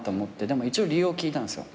でも一応理由を聞いたんすよ。